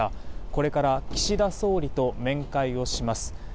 これから岸田総理と面会をします。